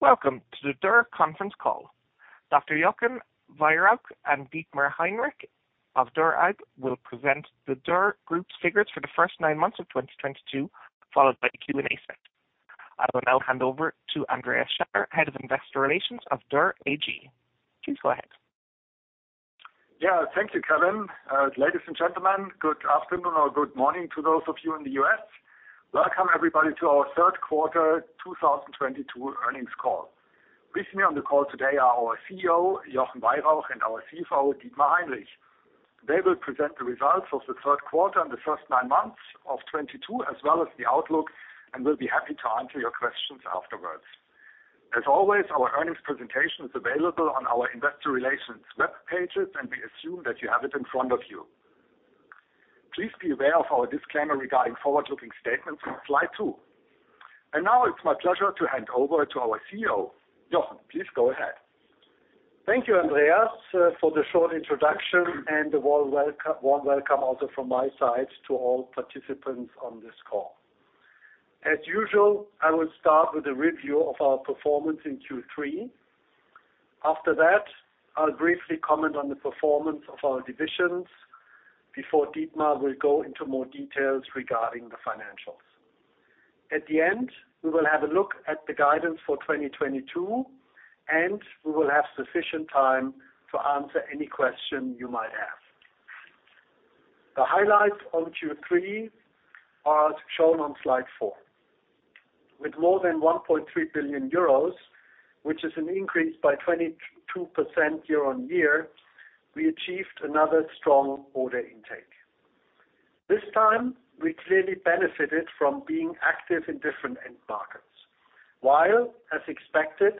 Welcome to the Dürr Conference Call. Dr. Jochen Weyrauch and Dietmar Heinrich of Dürr AG will present the Dürr Group figures for the first nine months of 2022, followed by the Q&A session. I will now hand over to Andreas Schaller, Head of Investor Relations of Dürr AG. Please go ahead. Yeah, thank you, Kevin. Ladies and gentlemen, good afternoon or good morning to those of you in the US. Welcome everybody to our third quarter 2022 earnings call. With me on the call today are our CEO, Jochen Weyrauch, and our CFO, Dietmar Heinrich. They will present the results of the third quarter and the first nine months of 2022, as well as the outlook, and will be happy to answer your questions afterwards. As always, our earnings presentation is available on our investor relations webpages, and we assume that you have it in front of you. Please be aware of our disclaimer regarding forward-looking statements on slide 2. Now it's my pleasure to hand over to our CEO. Jochen, please go ahead. Thank you, Andreas, for the short introduction and a warm welcome also from my side to all participants on this call. As usual, I will start with a review of our performance in Q3. After that, I'll briefly comment on the performance of our divisions before Dietmar will go into more details regarding the financials. At the end, we will have a look at the guidance for 2022, and we will have sufficient time to answer any question you might have. The highlights on Q3 are shown on slide 4. With more than 1.3 billion euros, which is an increase by 22% year-on-year, we achieved another strong order intake. This time, we clearly benefited from being active in different end markets. While, as expected,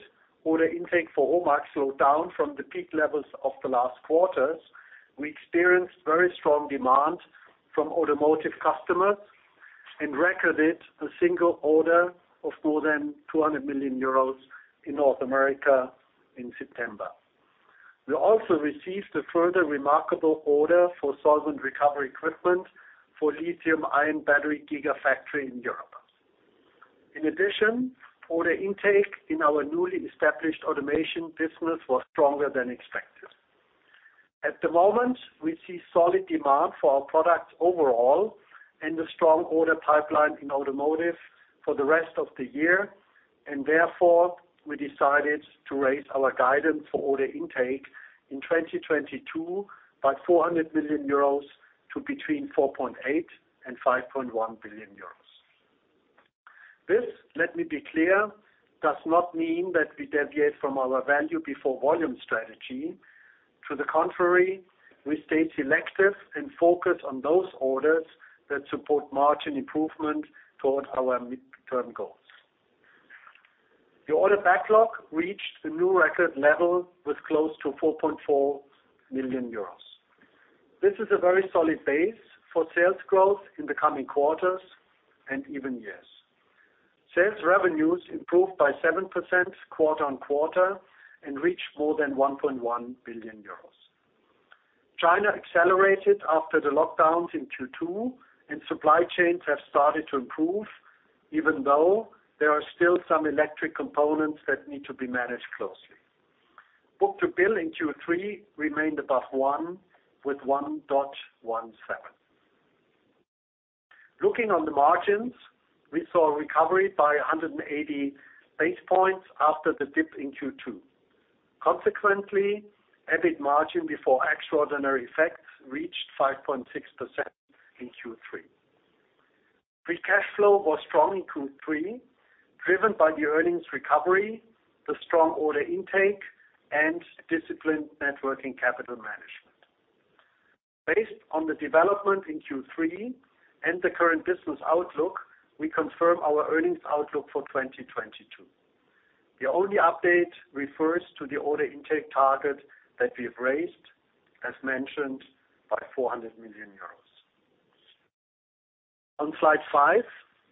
order intake for HOMAG slowed down from the peak levels of the last quarters, we experienced very strong demand from automotive customers and recorded a single order of more than 200 million euros in North America in September. We also received a further remarkable order for solvent recovery equipment for lithium-ion battery gigafactory in Europe. In addition, order intake in our newly established automation business was stronger than expected. At the moment, we see solid demand for our products overall and a strong order pipeline in automotive for the rest of the year, and therefore, we decided to raise our guidance for order intake in 2022 by 400 million euros to between 4.8 billion and 5.1 billion euros. This, let me be clear, does not mean that we deviate from our value before volume strategy. To the contrary, we stay selective and focus on those orders that support margin improvement toward our mid-term goals. The order backlog reached a new record level with close to 4.4 million euros. This is a very solid base for sales growth in the coming quarters and even years. Sales revenues improved by 7% quarter-on-quarter and reached more than 1.1 billion euros. China accelerated after the lockdowns in Q2, and supply chains have started to improve, even though there are still some electronic components that need to be managed closely. Book-to-bill in Q3 remained above one with 1.17. Looking on the margins, we saw a recovery by 180 basis points after the dip in Q2. Consequently, EBIT margin before extraordinary effects reached 5.6% in Q3. Free cash flow was strong in Q3, driven by the earnings recovery, the strong order intake, and disciplined net working capital management. Based on the development in Q3 and the current business outlook, we confirm our earnings outlook for 2022. The only update refers to the order intake target that we have raised, as mentioned, by 400 million euros. On slide 5,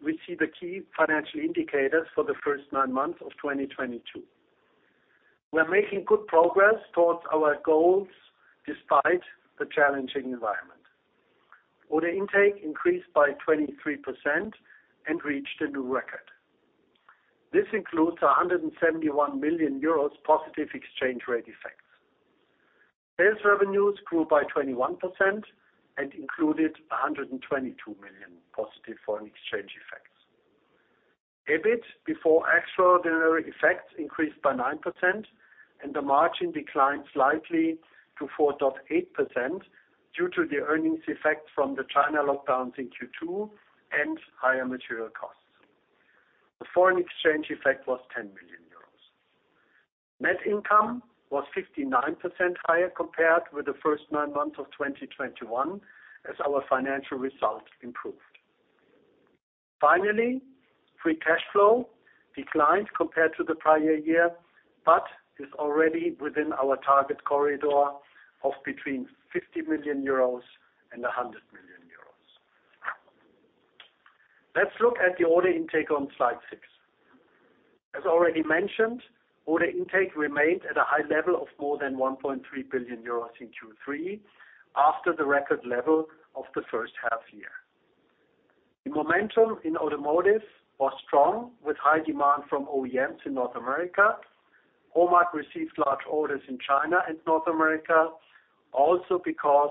we see the key financial indicators for the first 9 months of 2022. We're making good progress towards our goals despite the challenging environment. Order intake increased by 23% and reached a new record. This includes 171 million euros positive exchange rate effects. Sales revenues grew by 21% and included 122 million positive foreign exchange effects. EBIT before extraordinary effects increased by 9% and the margin declined slightly to 4.8% due to the earnings effect from the China lockdowns in Q2 and higher material costs. The foreign exchange effect was 10 million euros. Net income was 59% higher compared with the first nine months of 2021 as our financial results improved. Finally, free cash flow declined compared to the prior year, but is already within our target corridor of between 50 million euros and 100 million euros. Let's look at the order intake on slide six. As already mentioned, order intake remained at a high level of more than 1.3 billion euros in Q3 after the record level of the first half year. The momentum in automotive was strong with high demand from OEMs in North America. HOMAG received large orders in China and North America, also because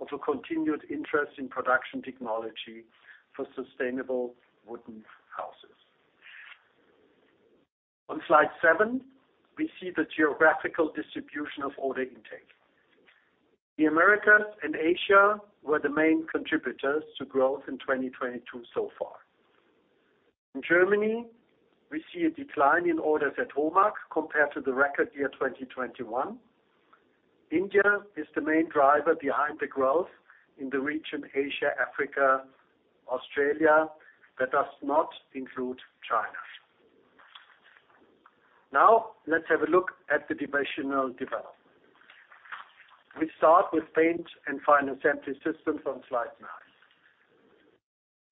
of a continued interest in production technology for sustainable wooden houses. On slide 7, we see the geographical distribution of order intake. The Americas and Asia were the main contributors to growth in 2022 so far. In Germany, we see a decline in orders at HOMAG compared to the record year, 2021. India is the main driver behind the growth in the region, Asia, Africa, Australia, that does not include China. Now, let's have a look at the divisional development. We start with Paint and Final Assembly Systems on slide 9.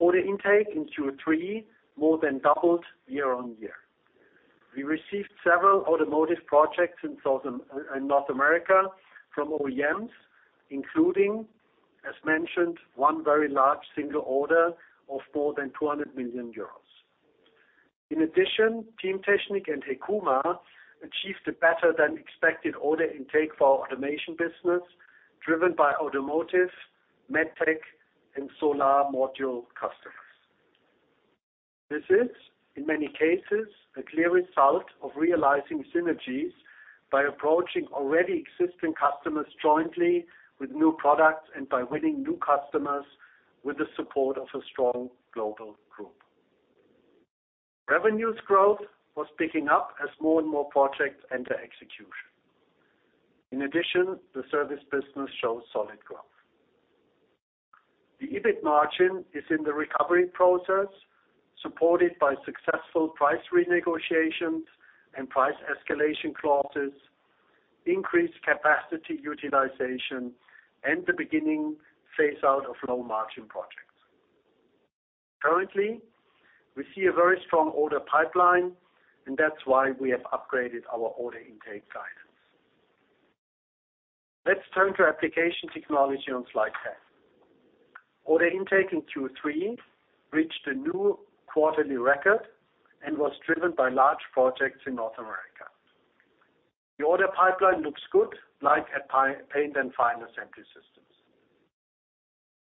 Order intake in Q3 more than doubled year on year. We received several automotive projects in North America from OEMs, including, as mentioned, one very large single order of more than 200 million euros. In addition, teamtechnik and HEKUMA achieved a better than expected order intake for our automation business, driven by automotive, med tech, and solar module customers. This is, in many cases, a clear result of realizing synergies by approaching already existing customers jointly with new products and by winning new customers with the support of a strong global group. Revenue growth was picking up as more and more projects enter execution. In addition, the service business shows solid growth. The EBIT margin is in the recovery process, supported by successful price renegotiations and price escalation clauses, increased capacity utilization, and the beginning phase out of low-margin projects. Currently, we see a very strong order pipeline, and that's why we have upgraded our order intake guidance. Let's turn to Application Technology on slide 10. Order intake in Q3 reached a new quarterly record and was driven by large projects in North America. The order pipeline looks good, like at Paint and Final Assembly Systems.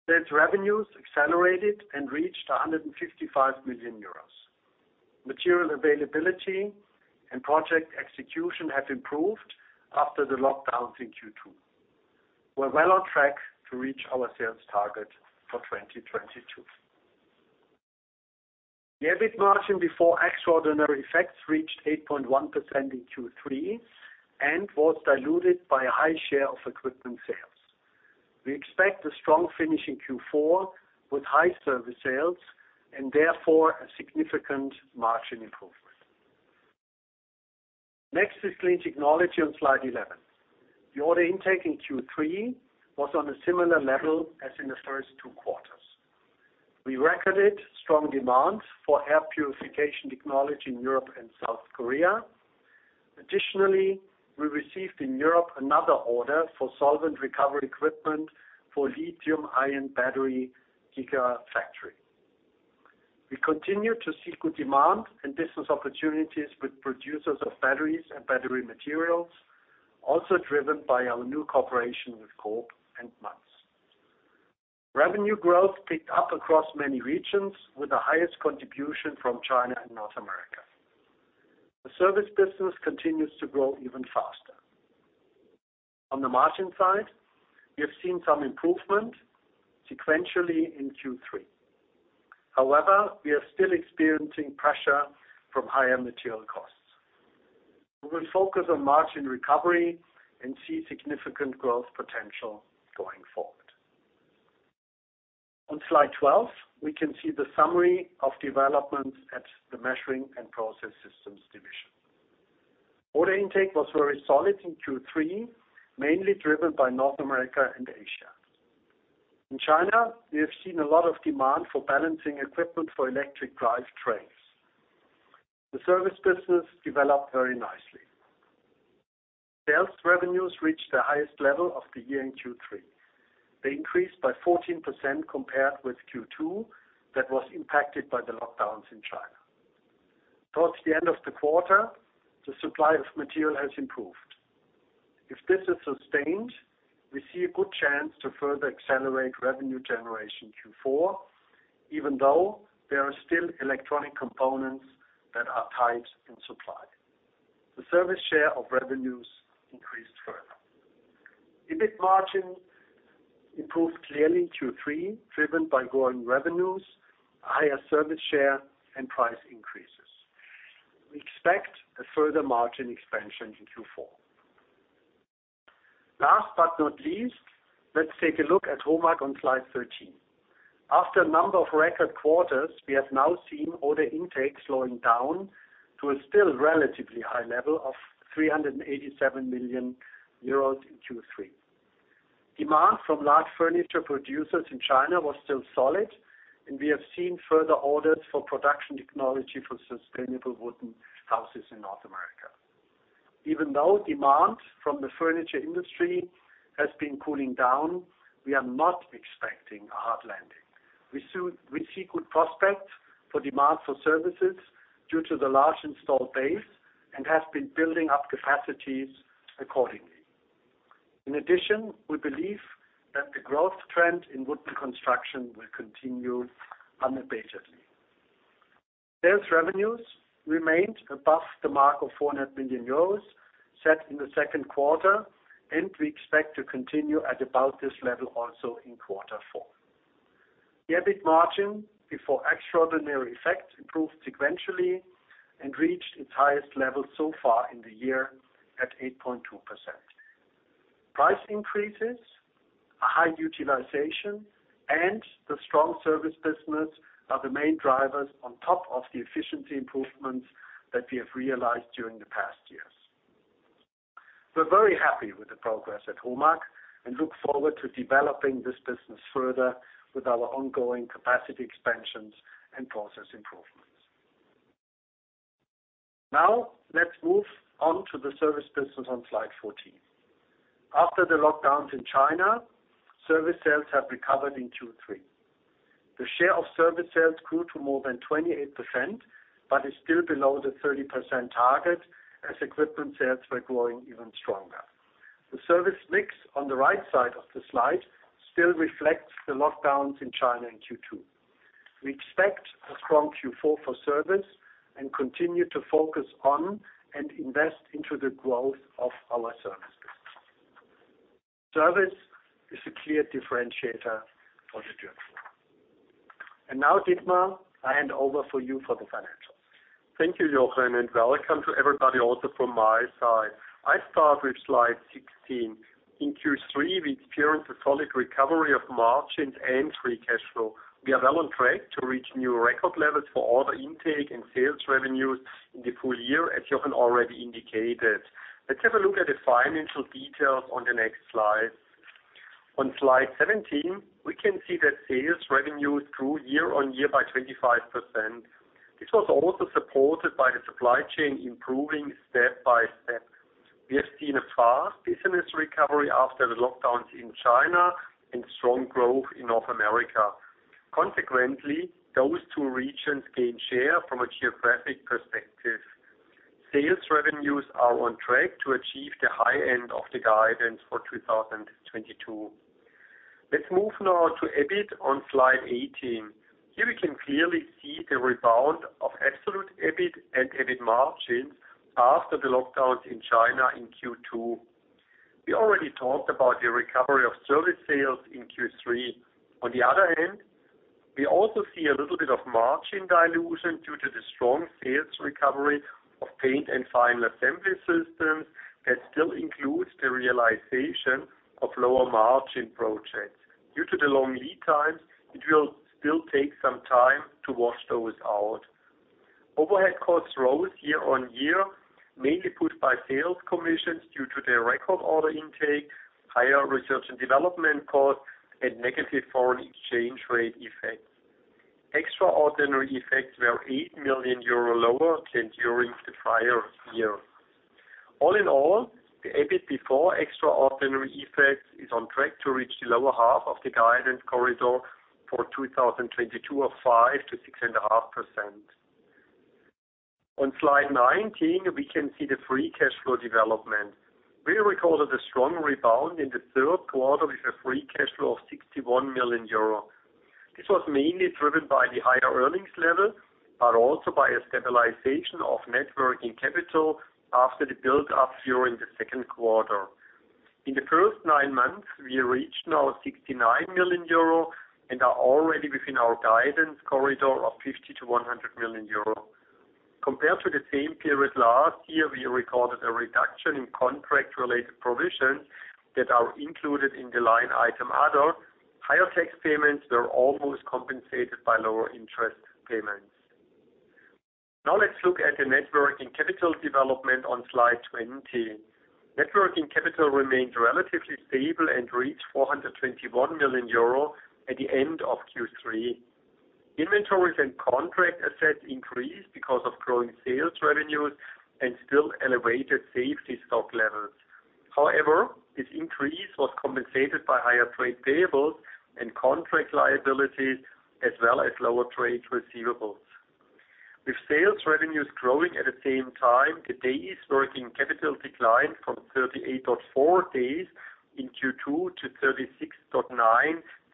Sales revenues accelerated and reached 155 million euros. Material availability and project execution have improved after the lockdowns in Q2. We're well on track to reach our sales target for 2022. The EBIT margin before extraordinary effects reached 8.1% in Q3 and was diluted by a high share of equipment sales. We expect a strong finish in Q4 with high service sales and therefore, a significant margin improvement. Next is Clean Technology Systems on slide 11. The order intake in Q3 was on a similar level as in the first two quarters. We recorded strong demand for air purification technology in Europe and South Korea. Additionally, we received in Europe another order for solvent recovery equipment for lithium-ion battery gigafactory. We continue to see good demand and business opportunities with producers of batteries and battery materials, also driven by our new cooperation with Koch and Manz. Revenue growth picked up across many regions, with the highest contribution from China and North America. The service business continues to grow even faster. On the margin side, we have seen some improvement sequentially in Q3. However, we are still experiencing pressure from higher material costs. We will focus on margin recovery and see significant growth potential going forward. On slide 12, we can see the summary of developments at the Measuring and Process Systems division. Order intake was very solid in Q3, mainly driven by North America and Asia. In China, we have seen a lot of demand for balancing equipment for electric drive trains. The service business developed very nicely. Sales revenues reached their highest level of the year in Q3. They increased by 14% compared with Q2 that was impacted by the lockdowns in China. Towards the end of the quarter, the supply of material has improved. If this is sustained, we see a good chance to further accelerate revenue generation in Q4, even though there are still electronic components that are tight in supply. The service share of revenues increased further. EBIT margin improved clearly in Q3, driven by growing revenues, higher service share, and price increases. We expect a further margin expansion in Q4. Last but not least, let's take a look at HOMAG on slide 13. After a number of record quarters, we have now seen order intake slowing down to a still relatively high level of 387 million euros in Q3. Demand from large furniture producers in China was still solid, and we have seen further orders for production technology for sustainable wooden houses in North America. Even though demand from the furniture industry has been cooling down, we are not expecting a hard landing. We see good prospects for demand for services due to the large installed base and have been building up capacities accordingly. In addition, we believe that the growth trend in wooden construction will continue unabatedly. Sales revenues remained above the mark of 400 million euros set in the second quarter, and we expect to continue at about this level also in quarter four. The EBIT margin before extraordinary effects improved sequentially and reached its highest level so far in the year at 8.2%. Price increases, a high utilization, and the strong service business are the main drivers on top of the efficiency improvements that we have realized during the past years. We're very happy with the progress at HOMAG and look forward to developing this business further with our ongoing capacity expansions and process improvements. Now, let's move on to the service business on slide 14. After the lockdowns in China, service sales have recovered in Q3. The share of service sales grew to more than 28%, but is still below the 30% target as equipment sales were growing even stronger. The service mix on the right side of the slide still reflects the lockdowns in China in Q2. We expect a strong Q4 for service and continue to focus on and invest into the growth of our service business. Service is a clear differentiator for the group. Now, Dietmar, I hand over to you for the financials. Thank you, Jochen, and welcome to everybody also from my side. I start with slide 16. In Q3, we experienced a solid recovery of margins and free cash flow. We are well on track to reach new record levels for order intake and sales revenues in the full year, as Jochen already indicated. Let's have a look at the financial details on the next slide. On slide 17, we can see that sales revenues grew year on year by 25%. This was also supported by the supply chain improving step by step. We have seen a fast business recovery after the lockdowns in China and strong growth in North America. Consequently, those two regions gained share from a geographic perspective. Sales revenues are on track to achieve the high end of the guidance for 2022. Let's move now to EBIT on slide 18. Here we can clearly see the rebound of absolute EBIT and EBIT margins after the lockdowns in China in Q2. We already talked about the recovery of service sales in Q3. On the other hand, we also see a little bit of margin dilution due to the strong sales recovery of Paint and Final Assembly Systems that still includes the realization of lower margin projects. Due to the long lead times, it will still take some time to wash those out. Overhead costs rose year-over-year, mainly pushed by sales commissions due to the record order intake, higher research and development costs, and negative foreign exchange rate effects. Extraordinary effects were 8 million euro lower than during the prior year. All in all, the EBIT before extraordinary effects is on track to reach the lower half of the guidance corridor for 2022 of 5%-6.5%. On slide 19, we can see the free cash flow development. We recorded a strong rebound in the third quarter with a free cash flow of 61 million euro. This was mainly driven by the higher earnings level, but also by a stabilization of net working capital after the build-up during the second quarter. In the first 9 months, we reached now 69 million euro and are already within our guidance corridor of 50 million-100 million euro. Compared to the same period last year, we recorded a reduction in contract-related provisions that are included in the line item, other. Higher tax payments were almost compensated by lower interest payments. Now, let's look at the net working capital development on slide 20. Net working capital remained relatively stable and reached 421 million euro at the end of Q3. Inventories and contract assets increased because of growing sales revenues and still elevated safety stock levels. However, this increase was compensated by higher trade payables and contract liabilities as well as lower trade receivables. With sales revenues growing at the same time, the days working capital declined from 38.4 days in Q2 to 36.9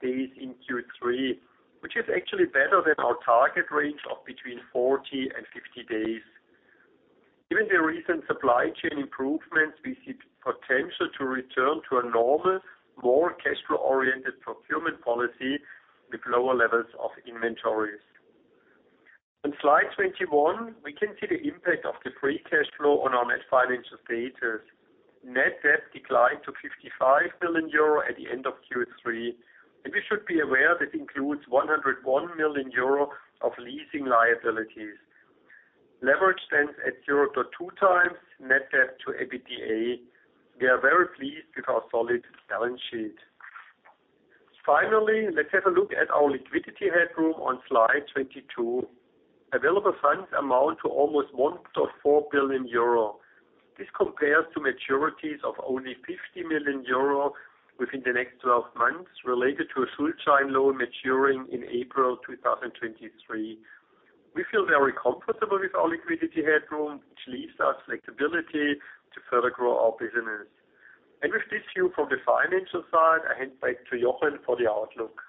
days in Q3, which is actually better than our target range of between 40 and 50 days. Given the recent supply chain improvements, we see potential to return to a normal, more cash flow-oriented procurement policy with lower levels of inventories. On slide 21, we can see the impact of the free cash flow on our net financial status. Net debt declined to 55 million euro at the end of Q3, and we should be aware this includes 101 million euro of leasing liabilities. Leverage stands at 0.2 times net debt to EBITDA. We are very pleased with our solid balance sheet. Finally, let's have a look at our liquidity headroom on slide 22. Available funds amount to almost 1.4 billion euro. This compares to maturities of only 50 million euro within the next twelve months, related to a Schuldschein loan maturing in April 2023. We feel very comfortable with our liquidity headroom, which leaves us flexibility to further grow our business. With this view from the financial side, I hand back to Jochen for the outlook.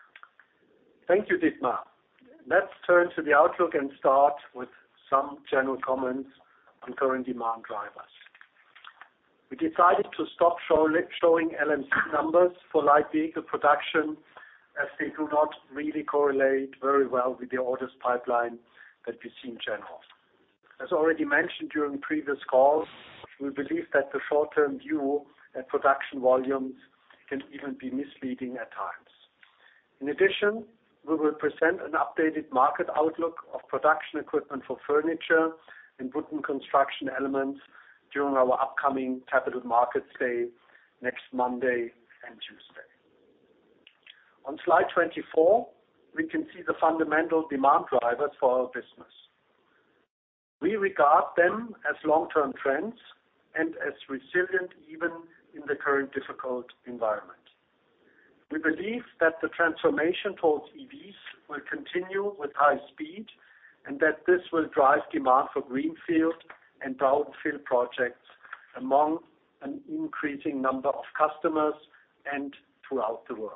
Thank you, Dietmar. Let's turn to the outlook and start with some general comments on current demand drivers. We decided to stop showing LMC numbers for light vehicle production, as they do not really correlate very well with the orders pipeline that we see in general. As already mentioned during previous calls, we believe that the short-term view and production volumes can even be misleading at times. In addition, we will present an updated market outlook of production equipment for furniture and wooden construction elements during our upcoming capital markets day, next Monday and Tuesday. On slide 24, we can see the fundamental demand drivers for our business. We regard them as long-term trends and as resilient, even in the current difficult environment. We believe that the transformation towards EVs will continue with high speed, and that this will drive demand for greenfield and brownfield projects among an increasing number of customers and throughout the world.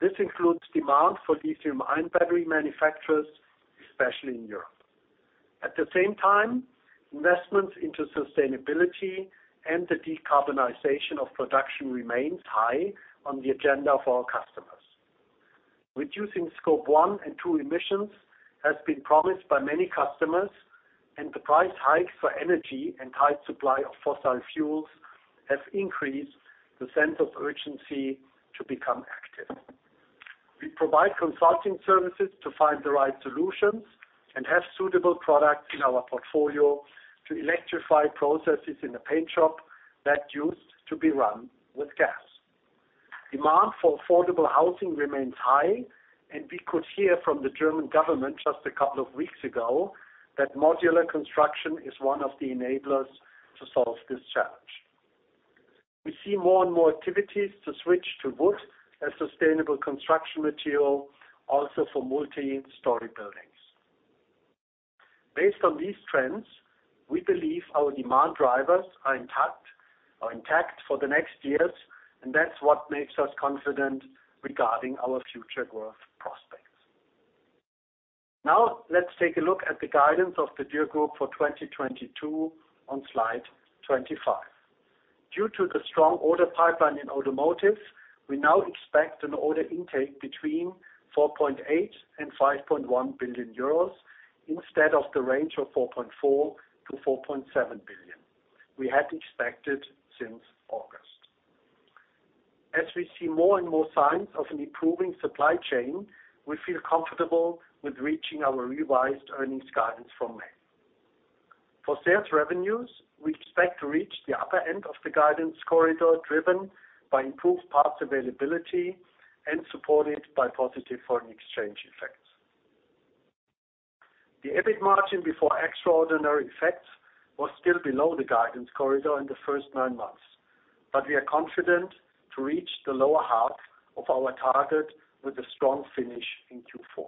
This includes demand for lithium-ion battery manufacturers, especially in Europe. At the same time, investments into sustainability and the decarbonization of production remains high on the agenda for our customers. Reducing Scope 1 and 2 emissions has been promised by many customers, and the price hikes for energy and tight supply of fossil fuels have increased the sense of urgency to become active. We provide consulting services to find the right solutions and have suitable products in our portfolio to electrify processes in a paint shop that used to be run with gas. Demand for affordable housing remains high, and we could hear from the German government just a couple of weeks ago that modular construction is one of the enablers to solve this challenge. We see more and more activities to switch to wood as sustainable construction material, also for multi-story buildings. Based on these trends, we believe our demand drivers are intact for the next years, and that's what makes us confident regarding our future growth prospects. Now, let's take a look at the guidance of the Dürr Group for 2022 on slide 25. Due to the strong order pipeline in automotive, we now expect an order intake between 4.8 billion and 5.1 billion euros instead of the range of 4.4 billion to 4.7 billion we had expected since August. As we see more and more signs of an improving supply chain, we feel comfortable with reaching our revised earnings guidance from May. For sales revenues, we expect to reach the upper end of the guidance corridor, driven by improved parts availability and supported by positive foreign exchange effects. The EBIT margin before extraordinary effects was still below the guidance corridor in the first nine months, but we are confident to reach the lower half of our target with a strong finish in Q4.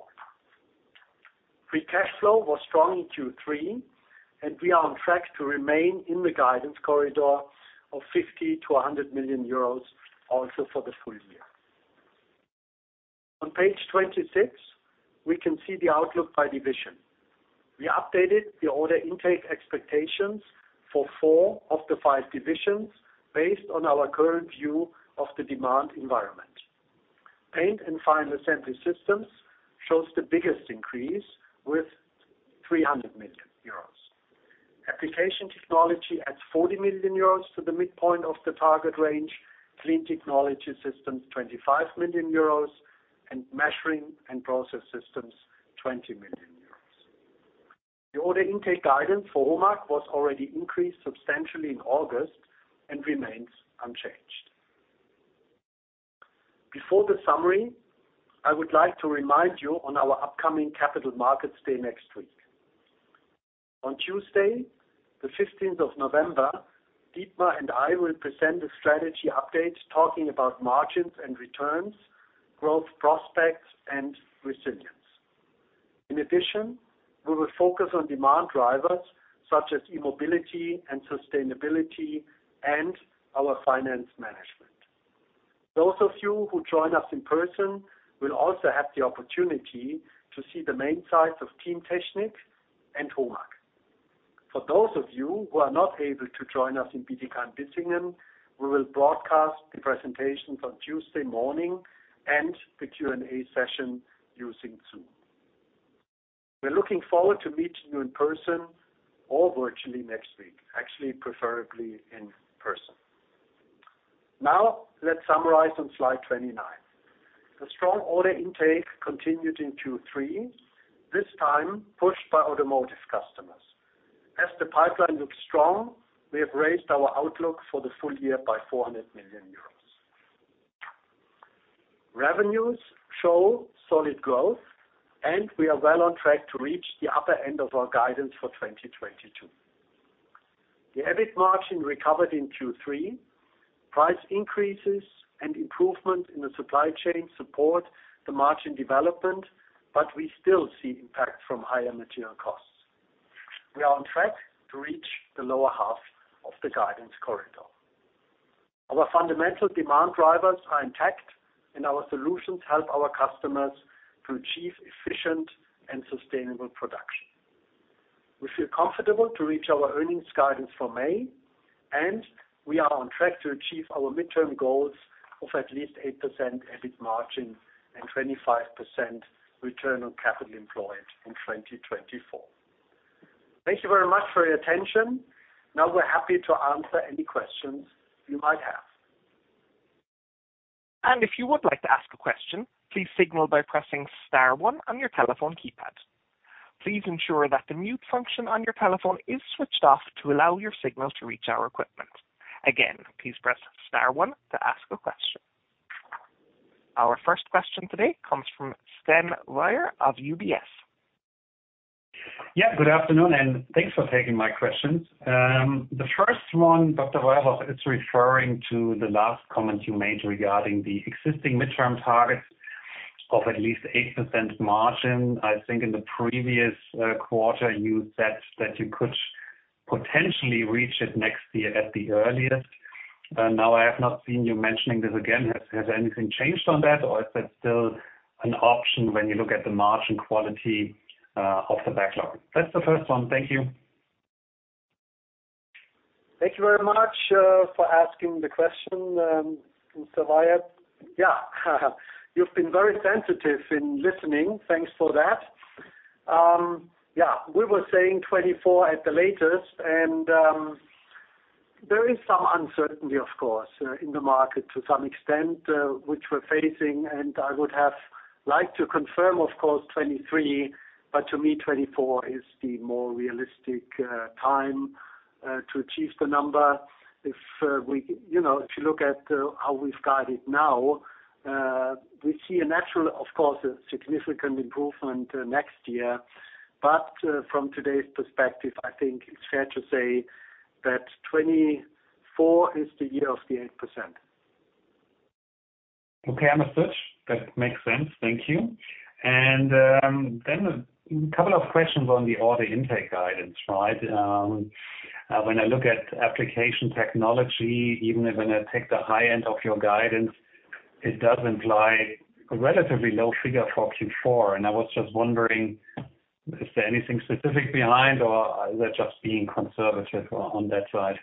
Free cash flow was strong in Q3, and we are on track to remain in the guidance corridor of 50 million-100 million euros also for the full year. On page 26, we can see the outlook by division. We updated the order intake expectations for four of the five divisions based on our current view of the demand environment. Paint and Final Assembly Systems shows the biggest increase with 300 million euros. Application Technology adds 40 million euros to the midpoint of the target range, Clean Technology Systems, 25 million euros, and Measuring and Process Systems, 20 million euros. The order intake guidance for HOMAG was already increased substantially in August and remains unchanged. Before the summary, I would like to remind you on our upcoming capital markets day next week. On Tuesday, the fifteenth of November, Dietmar and I will present a strategy update talking about margins and returns, growth prospects, and resilience. In addition, we will focus on demand drivers such as e-mobility and sustainability and our finance management. Those of you who join us in person will also have the opportunity to see the main sites of teamtechnik and HOMAG. For those of you who are not able to join us in Bietigheim-Bissingen, we will broadcast the presentations on Tuesday morning and the Q&A session using Zoom. We're looking forward to meeting you in person or virtually next week. Actually, preferably in person. Now, let's summarize on slide 29. The strong order intake continued in Q3, this time pushed by automotive customers. As the pipeline looks strong, we have raised our outlook for the full year by 400 million euros. Revenues show solid growth, and we are well on track to reach the upper end of our guidance for 2022. The EBIT margin recovered in Q3. Price increases and improvement in the supply chain support the margin development, but we still see impact from higher material costs. We are on track to reach the lower half of the guidance corridor. Our fundamental demand drivers are intact, and our solutions help our customers to achieve efficient and sustainable production. We feel comfortable to reach our earnings guidance for May, and we are on track to achieve our midterm goals of at least 8% EBIT margin and 25% return on capital employed in 2024. Thank you very much for your attention. Now, we're happy to answer any questions you might have. If you would like to ask a question, please signal by pressing star one on your telephone keypad. Please ensure that the mute function on your telephone is switched off to allow your signal to reach our equipment. Again, please press star one to ask a question. Our first question today comes from Sven Weier of UBS. Yeah, good afternoon, and thanks for taking my questions. The first one, Dr. Weyrauch, is referring to the last comment you made regarding the existing midterm targets of at least 8% margin. I think in the previous quarter, you said that you could potentially reach it next year at the earliest. Now I have not seen you mentioning this again. Has anything changed on that, or is that still an option when you look at the margin quality of the backlog? That's the first one. Thank you. Thank you very much for asking the question, Mr. Weier. Yeah. You've been very sensitive in listening. Thanks for that. Yeah, we were saying '24 at the latest. There is some uncertainty, of course, in the market to some extent, which we're facing. I would have liked to confirm, of course, 2023, but to me, 2024 is the more realistic time to achieve the number. You know, if you look at how we've got it now, we see a natural, of course, a significant improvement next year. From today's perspective, I think it's fair to say that 2024 is the year of the 8%. Okay, I agree. That makes sense. Thank you. Then a couple of questions on the order intake guidance side. When I look at Application Technology, even if when I take the high end of your guidance, it does imply a relatively low figure for Q4. I was just wondering, is there anything specific behind, or is that just being conservative on that side?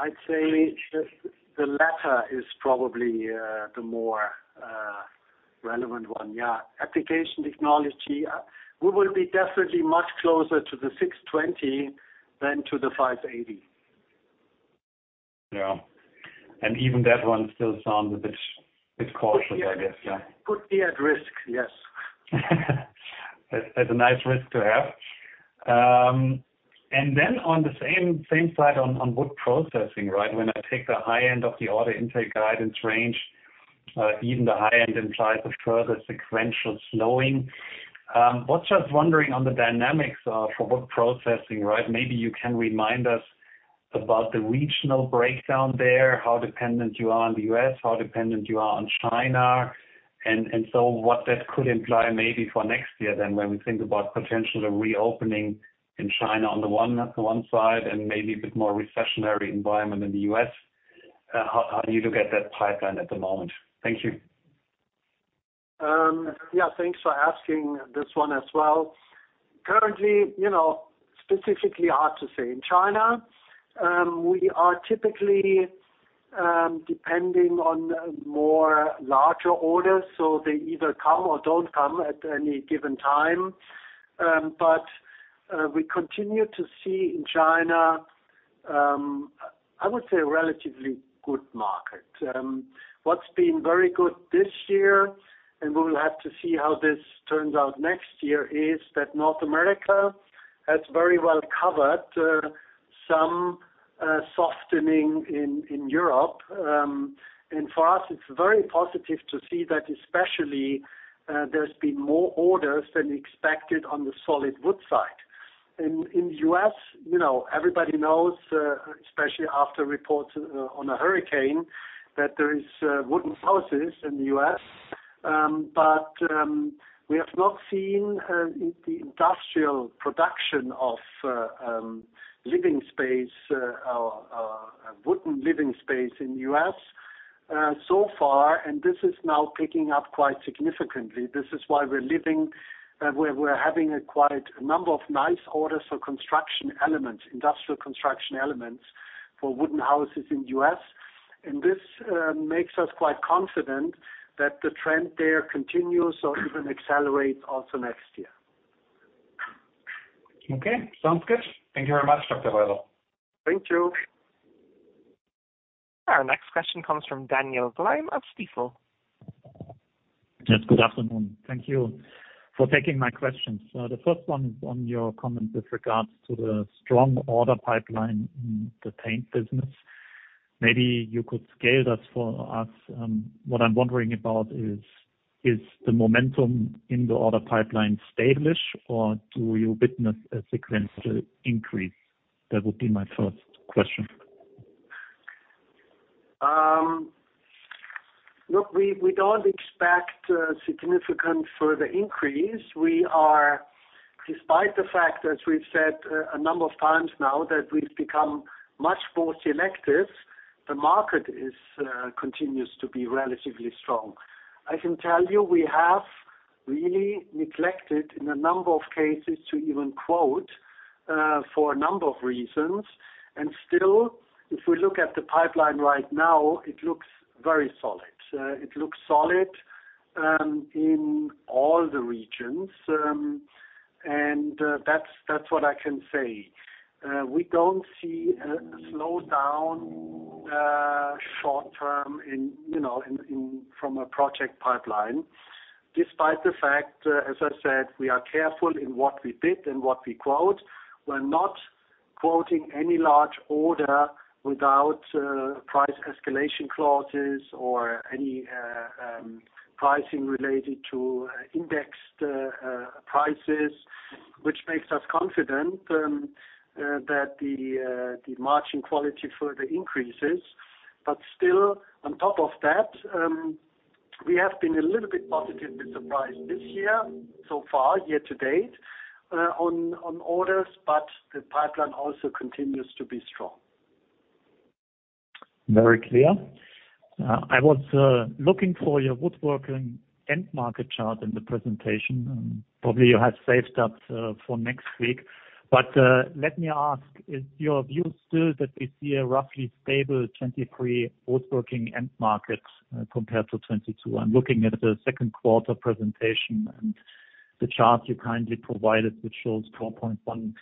I'd say the latter is probably the more relevant one. Yeah. Application Technology, we will be definitely much closer to the 620 than to the 580. Yeah. Even that one still sounds a bit cautious, I guess. Yeah. Could be at risk. Yes. That's a nice risk to have. On the same side on wood processing, right? When I take the high end of the order intake guidance range, even the high end implies a further sequential slowing. Was just wondering on the dynamics for wood processing, right? Maybe you can remind us about the regional breakdown there, how dependent you are on the US, how dependent you are on China, and so what that could imply maybe for next year then when we think about potentially reopening in China on the one side and maybe a bit more recessionary environment in the US. How do you look at that pipeline at the moment? Thank you. Yeah, thanks for asking this one as well. Currently, you know, specifically hard to say. In China, we are typically depending on more larger orders, so they either come or don't come at any given time. We continue to see in China, I would say a relatively good market. What's been very good this year, and we will have to see how this turns out next year, is that North America has very well covered some softening in Europe. For us, it's very positive to see that especially, there's been more orders than expected on the solid wood side. In the US, you know, everybody knows, especially after reports on a hurricane, that there is wooden houses in the US. We have not seen the industrial production of wooden living space in the US so far, and this is now picking up quite significantly. This is why we're having quite a number of nice orders for construction elements, industrial construction elements for wooden houses in the US. This makes us quite confident that the trend there continues or even accelerates also next year. Okay. Sounds good. Thank you very much, Dr. Weyrauch. Thank you. Our next question comes from Daniel Gleim of Stifel. Yes, good afternoon. Thank you for taking my questions. The first one is on your comment with regards to the strong order pipeline in the paint business. Maybe you could scale that for us. What I'm wondering about is the momentum in the order pipeline established or do you witness a sequential increase? That would be my first question. Look, we don't expect a significant further increase. Despite the fact, as we've said a number of times now, that we've become much more selective, the market continues to be relatively strong. I can tell you, we have really neglected in a number of cases to even quote for a number of reasons. Still, if we look at the pipeline right now, it looks very solid. It looks solid in all the regions. That's what I can say. We don't see a slowdown short-term, you know, in the project pipeline. Despite the fact, as I said, we are careful in what we bid and what we quote. We're not quoting any large order without price escalation clauses or any pricing related to indexed prices, which makes us confident that the margin quality further increases. Still, on top of that, we have been a little bit positively surprised this year so far, year to date, on orders, but the pipeline also continues to be strong. Very clear. I was looking for your woodworking end market chart in the presentation. Probably you have saved that for next week. Let me ask, is your view still that we see a roughly stable 2023 woodworking end market compared to 2022? I'm looking at the second quarter presentation and the chart you kindly provided, which shows 4.1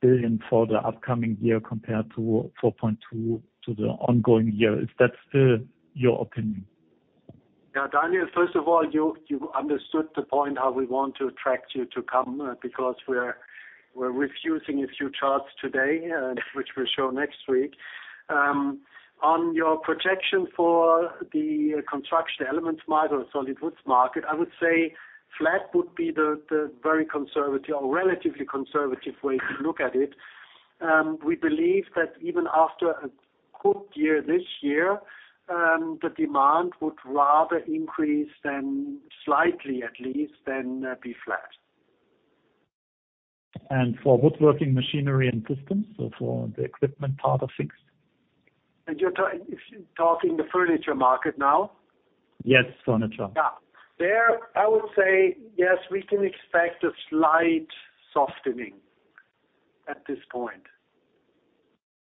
billion for the upcoming year compared to 4.2 billion for the ongoing year. Is that still your opinion? Yeah, Daniel, first of all, you understood the point how we want to attract you to come, because we're running a few charts today, which we'll show next week. On your projection for the construction elements market or solid woods market, I would say flat would be the very conservative or relatively conservative way to look at it. We believe that even after a good year this year, the demand would rather increase than slightly at least be flat. For woodworking machinery and systems, so for the equipment part of things? You're talking the furniture market now? Yes, furniture. Yeah. There, I would say, yes, we can expect a slight softening at this point.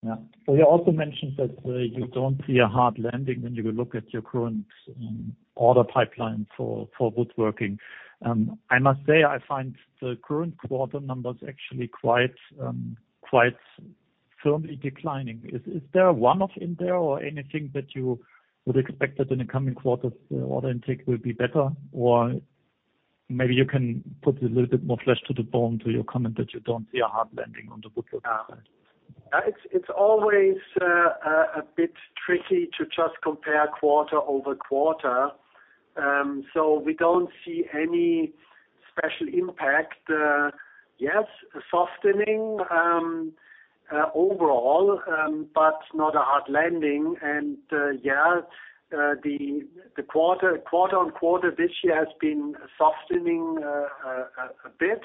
Yeah. You also mentioned that you don't see a hard landing when you look at your current order pipeline for woodworking. I must say, I find the current quarter numbers actually quite firmly declining. Is there a one-off in there or anything that you would expect that in the coming quarters order intake will be better? Or maybe you can put a little bit more flesh to the bone to your comment that you don't see a hard landing on the woodworking side. It's always a bit tricky to just compare quarter-over-quarter. So we don't see any special impact. Yes, a softening overall, but not a hard landing. The quarter-on-quarter this year has been softening a bit.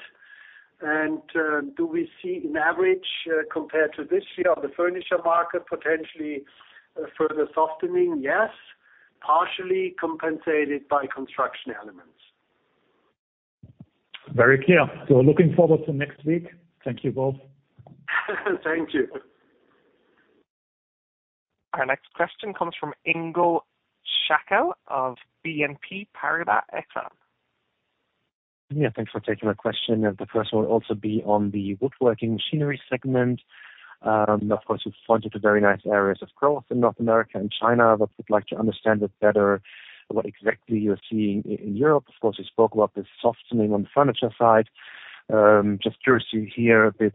Do we see an average compared to this year of the furniture market potentially further softening? Yes. Partially compensated by construction elements. Very clear. Looking forward to next week. Thank you both. Thank you. Our next question comes from Ingo Schachel of BNP Paribas Exane. Yeah, thanks for taking my question. The first will also be on the woodworking machinery segment. Of course, you've pointed to very nice areas of growth in North America and China, but we'd like to understand it better what exactly you're seeing in Europe. Of course, you spoke about the softening on the furniture side. Just curious to hear a bit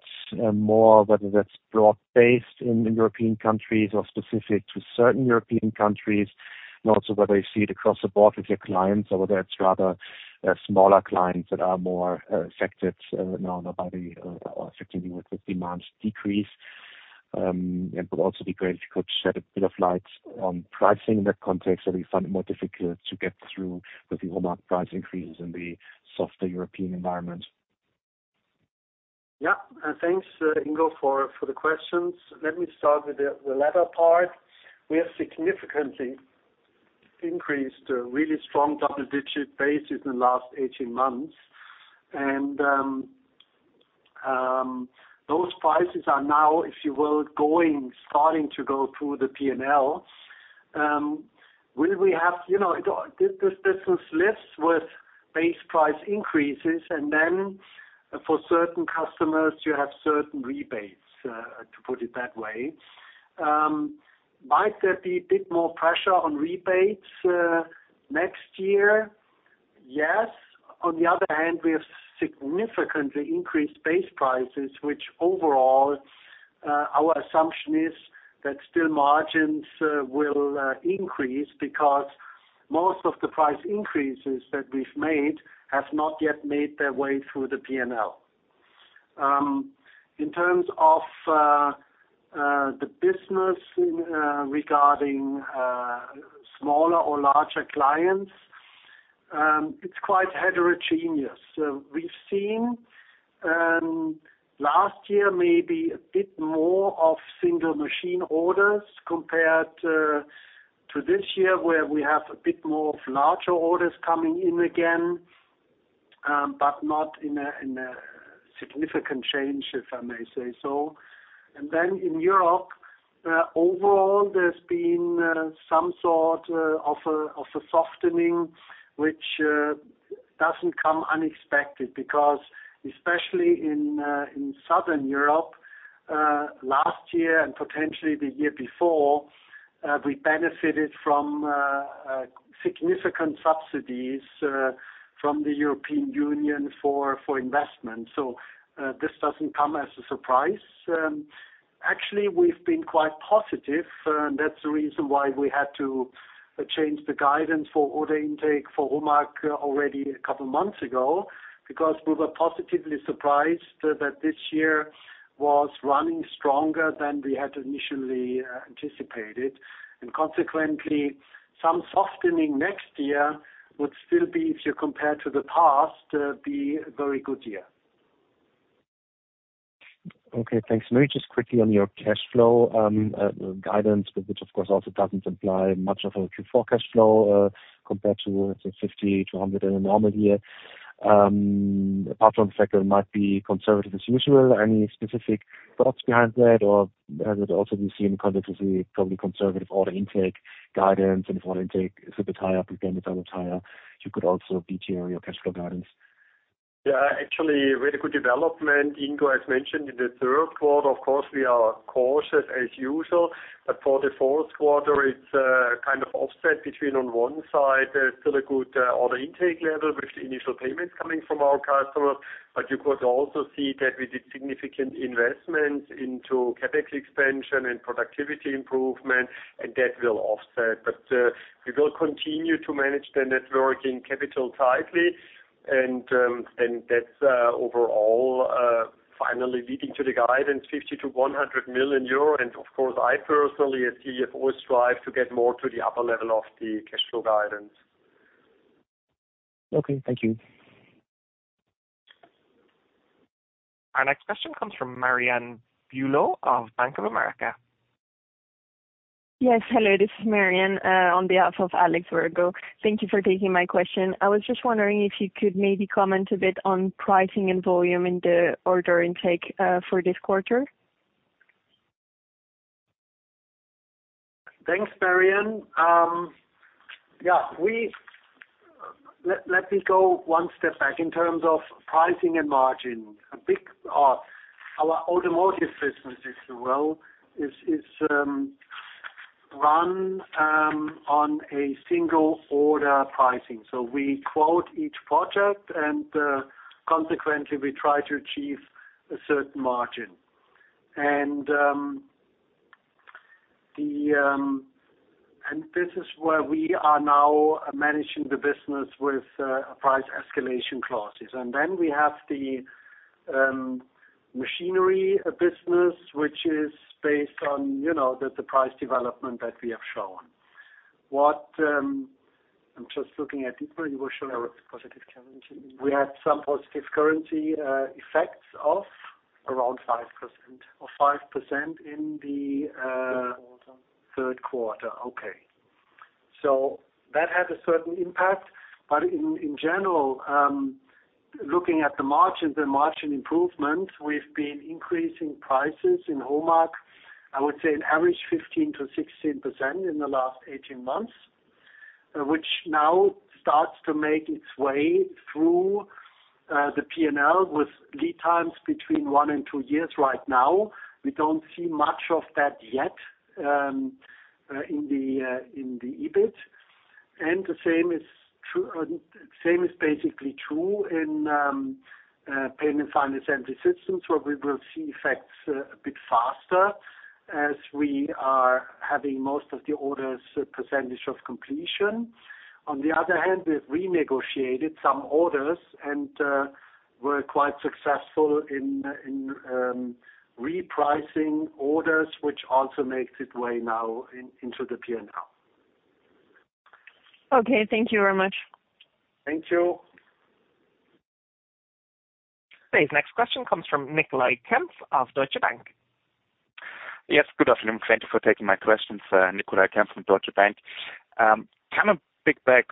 more whether that's broad-based in European countries or specific to certain European countries, and also whether you see it across the board with your clients or whether it's rather smaller clients that are more affected, you know, by the demand decrease. It would also be great if you could shed a bit of light on pricing in that context. Are we finding it more difficult to get through with the raw material price increases in the softer European environment? Yeah. Thanks, Ingo, for the questions. Let me start with the latter part. We have significantly increased a really strong double-digit basis in the last 18 months. Those prices are now, if you will, starting to go through the P&L. Will we have, you know, this business lives with base price increases and then for certain customers you have certain rebates, to put it that way. Might there be a bit more pressure on rebates next year? Yes. On the other hand, we have significantly increased base prices which overall, our assumption is that still margins will increase because most of the price increases that we've made have not yet made their way through the P&L. In terms of the business regarding smaller or larger clients, it's quite heterogeneous. We've seen last year maybe a bit more of single machine orders compared to this year where we have a bit more of larger orders coming in again, but not in a significant change, if I may say so. In Europe overall there's been some sort of softening which doesn't come unexpected. Because especially in Southern Europe last year and potentially the year before we benefited from significant subsidies from the European Union for investment. This doesn't come as a surprise. Actually, we've been quite positive, and that's the reason why we had to change the guidance for order intake for HOMAG already a couple months ago because we were positively surprised that this year was running stronger than we had initially anticipated. Consequently, some softening next year would still be, if you compare to the past, a very good year. Okay, thanks. Maybe just quickly on your cash flow guidance, which of course also doesn't imply much of a Q4 cash flow compared to, let's say, 50-100 in a normal year. Apart from that, it might be conservative as usual. Any specific thoughts behind that, or has it also been set in context with the probably conservative order intake guidance? If order intake is a bit higher, again, a ton higher, you could also beat your cash flow guidance. Yeah. Actually really good development. Ingo has mentioned in the third quarter, of course, we are cautious as usual. For the fourth quarter it's kind of offset between, on one side, there's still a good order intake level with the initial payments coming from our customers. You could also see that we did significant investments into CapEx expansion and productivity improvement, and that will offset. We will continue to manage the net working capital tightly and that's overall finally leading to the guidance 50 million to 100 million euro. Of course, I personally as CEO always strive to get more to the upper level of the cash flow guidance. Okay, thank you. Our next question comes from Marianne Bulot of Bank of America. Yes. Hello. This is Marianne on behalf of Alex Virgo. Thank you for taking my question. I was just wondering if you could maybe comment a bit on pricing and volume in the order intake for this quarter. Thanks, Marianne. Yeah, let me go one step back in terms of pricing and margin. Our automotive business, if you will, is run on a single order pricing. So we quote each project and consequently we try to achieve a certain margin. This is where we are now managing the business with price escalation clauses. Then we have the machinery business which is based on, you know, the price development that we have shown. I'm just looking at Positive currency. We had some positive currency effects of around 5%. Third quarter. Third quarter. Okay. That had a certain impact. In general, looking at the margins and margin improvement, we've been increasing prices in HOMAG, I would say an average 15%-16% in the last 18 months. Which now starts to make its way through the P&L with lead times between 1-2 years right now. We don't see much of that yet in the EBIT. The same is basically true in Paint and Final Assembly Systems, where we will see effects a bit faster as we are having most of the orders percentage of completion. On the other hand, we've renegotiated some orders and were quite successful in repricing orders which also makes its way now into the P&L. Okay, thank you very much. Thank you. Today's next question comes from Nicolai Kempf of Deutsche Bank. Yes, good afternoon. Thank you for taking my questions. Nicolai Kempf from Deutsche Bank. Kind of pick back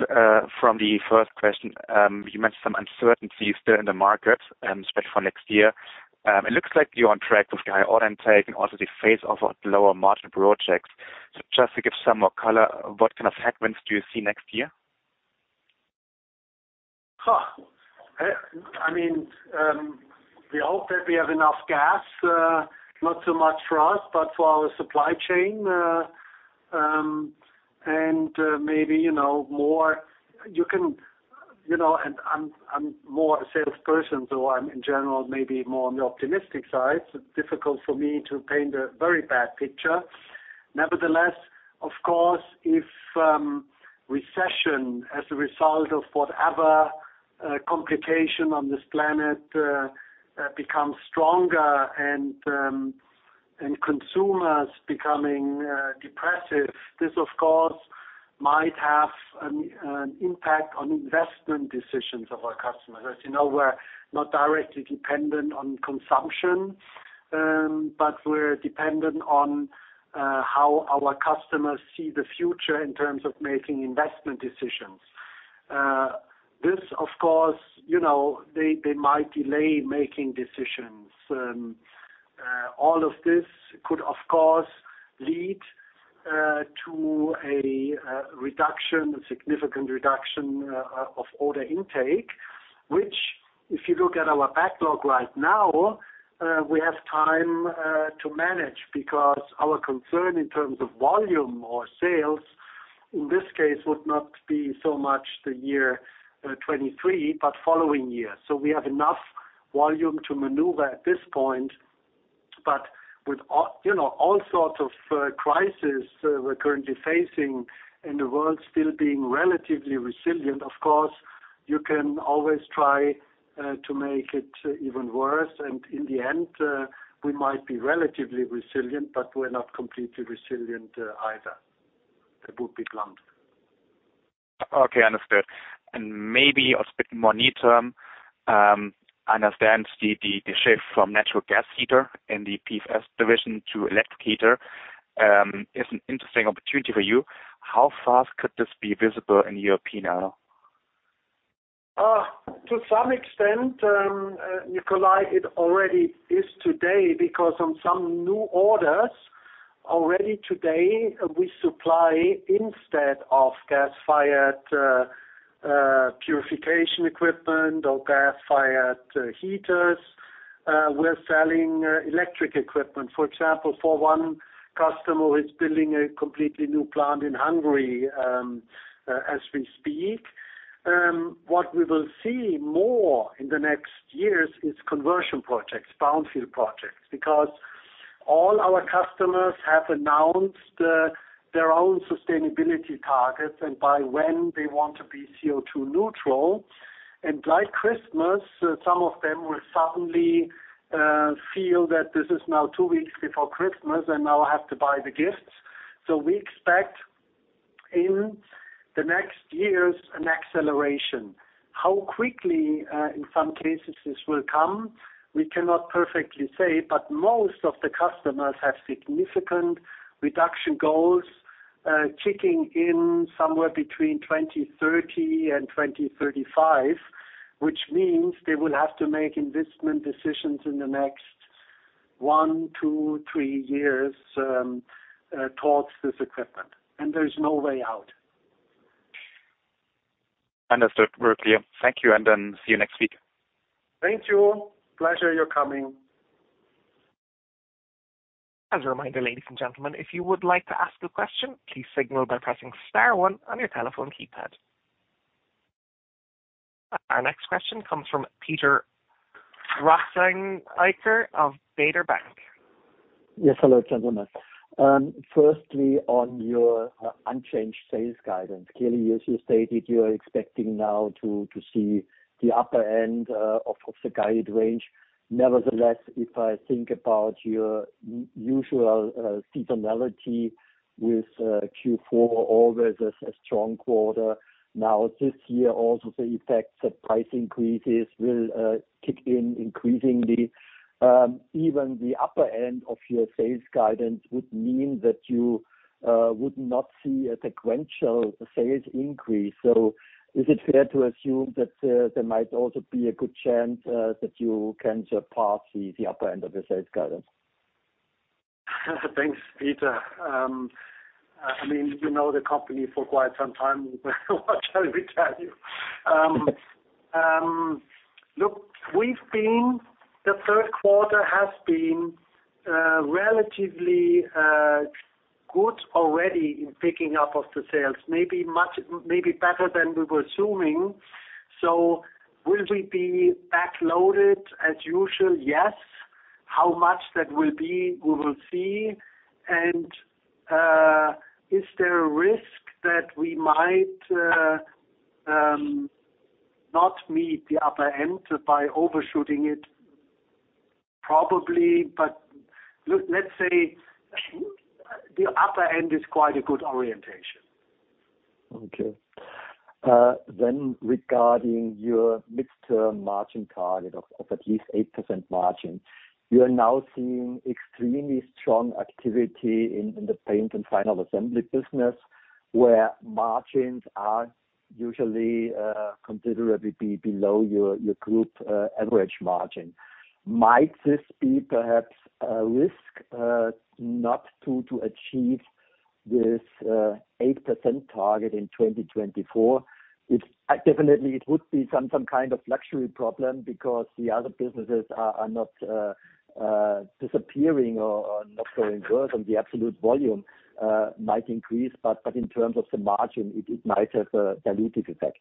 from the first question. You mentioned some uncertainty still in the market, especially for next year. It looks like you're on track with high order intake and also the phase of lower margin projects. Just to give some more color, what kind of headwinds do you see next year? I mean, we hope that we have enough gas, not so much for us, but for our supply chain. Maybe, you know, and I'm more a salesperson, so I'm in general maybe more on the optimistic side. It's difficult for me to paint a very bad picture. Nevertheless, of course, if recession as a result of whatever complication on this planet becomes stronger and consumers becoming depressive, this of course might have an impact on investment decisions of our customers. As you know, we're not directly dependent on consumption, but we're dependent on how our customers see the future in terms of making investment decisions. This of course, you know, they might delay making decisions. All of this could, of course, lead to a significant reduction of order intake. Which if you look at our backlog right now, we have time to manage. Because our concern in terms of volume or sales in this case would not be so much the year 2023, but following years. We have enough volume to maneuver at this point. With all, you know, all sorts of crises we're currently facing and the world still being relatively resilient, of course, you can always try to make it even worse. In the end, we might be relatively resilient, but we're not completely resilient either. That would be blunt. Okay, understood. Maybe speaking more near term, I understand the shift from natural gas heater in the PFS division to electric heater is an interesting opportunity for you. How fast could this be visible in European auto? To some extent, Nicolai, it already is today. Because on some new orders already today, we supply instead of gas-fired purification equipment or gas-fired heaters, we're selling electric equipment. For example, for one customer who is building a completely new plant in Hungary, as we speak. What we will see more in the next years is conversion projects, brownfield projects. Because all our customers have announced their own sustainability targets and by when they want to be CO2 neutral. Like Christmas, some of them will suddenly feel that this is now two weeks before Christmas, and now I have to buy the gifts. We expect in the next years an acceleration. How quickly, in some cases this will come, we cannot perfectly say, but most of the customers have significant reduction goals, kicking in somewhere between 2030 and 2035. Which means they will have to make investment decisions in the next one, two, three years, towards this equipment. There's no way out. Understood. We're clear. Thank you, and, see you next week. Thank you. Pleasure, you're coming. As a reminder, ladies and gentlemen, if you would like to ask a question, please signal by pressing star one on your telephone keypad. Our next question comes from Peter Rothenaicher of Baader Bank. Yes. Hello, gentlemen. Firstly on your unchanged sales guidance. Clearly, as you stated, you're expecting now to see the upper end of the guided range. Nevertheless, if I think about your usual seasonality with Q4 always as a strong quarter. Now, this year also the effects of price increases will kick in increasingly. Even the upper end of your sales guidance would mean that you would not see a sequential sales increase. Is it fair to assume that there might also be a good chance that you can surpass the upper end of the sales guidance? Thanks, Peter. I mean, you know the company for quite some time. What shall we tell you? Look, the third quarter has been relatively good already in picking up of the sales, maybe better than we were assuming. Will we be backloaded as usual? Yes. How much that will be, we will see. Is there a risk that we might not meet the upper end by overshooting it? Probably. Let's say the upper end is quite a good orientation. Okay, regarding your midterm margin target of at least 8% margin, you are now seeing extremely strong activity in the paint and final assembly business, where margins are usually considerably below your group average margin. Might this be perhaps a risk not to achieve this 8% target in 2024? Definitely it would be some kind of luxury problem because the other businesses are not disappearing or not going worse and the absolute volume might increase, but in terms of the margin, it might have a dilutive effect.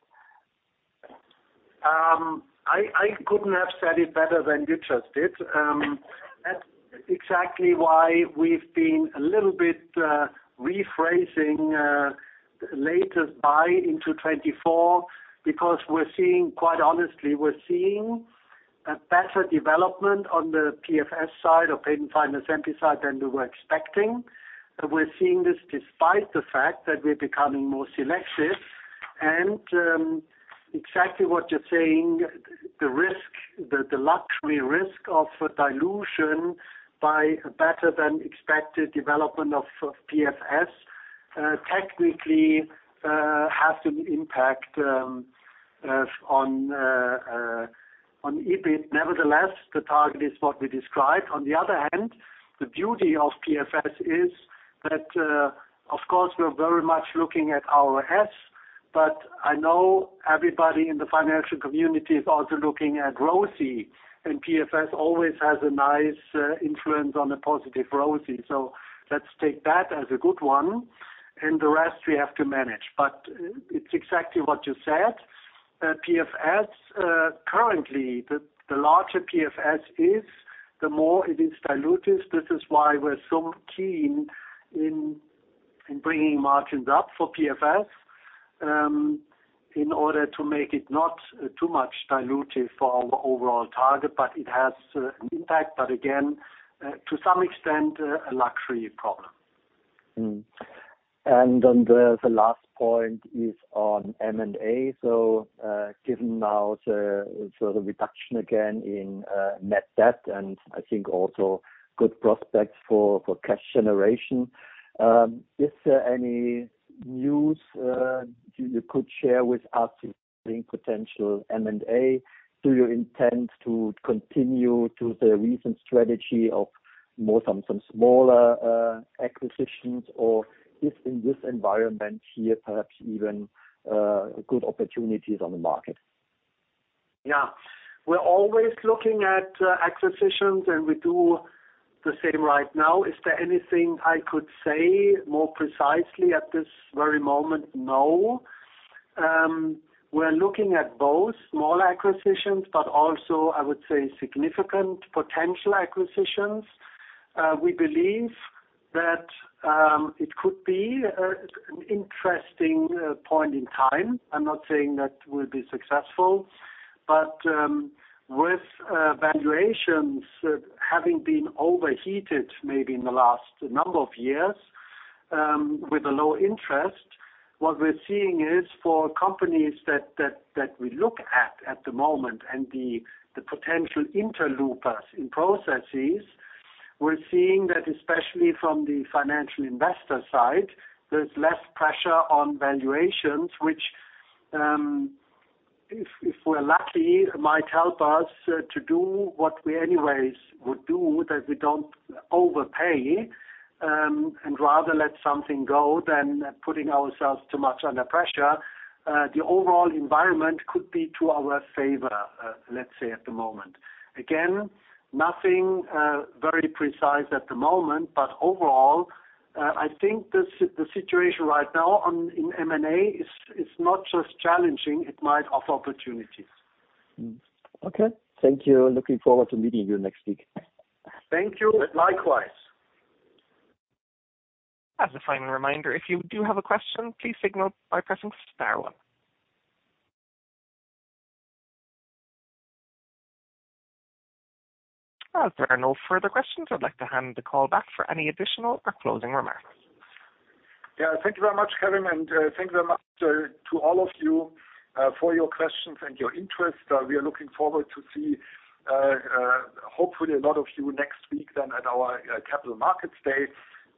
I couldn't have said it better than you just did. That's exactly why we've been a little bit rephrasing latest buy into 2024 because, quite honestly, we're seeing a better development on the PFS side or paint and final assembly side than we were expecting. We're seeing this despite the fact that we're becoming more selective, and exactly what you're saying, the luxury risk of dilution by better than expected development of PFS technically has an impact on EBIT. Nevertheless, the target is what we described. On the other hand, the beauty of PFS is that, of course, we're very much looking at our S, but I know everybody in the financial community is also looking at ROCE, and PFS always has a nice influence on a positive ROCE. Let's take that as a good one, and the rest we have to manage. It's exactly what you said. PFS, currently, the larger PFS is, the more it is dilutive. This is why we're so keen in bringing margins up for PFS, in order to make it not too much dilutive for our overall target, but it has an impact. Again, to some extent, a luxury problem. On the last point is on M&A. Given now the sort of reduction again in net debt, and I think also good prospects for cash generation, is there any news you could share with us regarding potential M&A? Do you intend to continue to the recent strategy of some smaller acquisitions? If in this environment here, perhaps even good opportunities on the market? Yeah. We're always looking at acquisitions, and we do the same right now. Is there anything I could say more precisely at this very moment? No. We're looking at both small acquisitions, but also I would say significant potential acquisitions. We believe that it could be an interesting point in time. I'm not saying that we'll be successful, but with valuations having been overheated maybe in the last number of years, with a low interest, what we're seeing is for companies that we look at at the moment and the potential interlopers in processes, we're seeing that especially from the financial investor side, there's less pressure on valuations, which, if we're lucky, might help us to do what we anyways would do, that we don't overpay, and rather let something go than putting ourselves too much under pressure. The overall environment could be to our favor, let's say at the moment. Again, nothing very precise at the moment, but overall, I think the situation right now in M&A is not just challenging, it might have opportunities. Okay. Thank you. Looking forward to meeting you next week. Thank you. Likewise. As a final reminder, if you do have a question, please signal by pressing star one. As there are no further questions, I'd like to hand the call back for any additional or closing remarks. Yeah. Thank you very much, Kevin, and thank you very much to all of you for your questions and your interest. We are looking forward to see hopefully a lot of you next week then at our Capital Markets Day.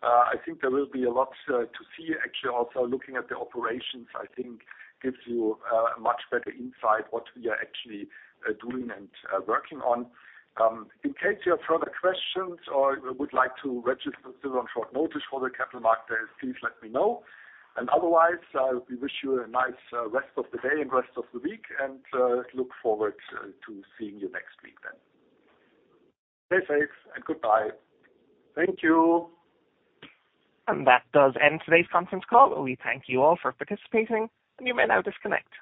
I think there will be a lot to see actually also looking at the operations. I think gives you a much better insight what we are actually doing and working on. In case you have further questions or would like to register on short notice for the Capital Markets Day, please let me know. Otherwise, we wish you a nice rest of the day and rest of the week and look forward to seeing you next week then. Stay safe and goodbye. Thank you. That does end today's conference call. We thank you all for participating, and you may now disconnect.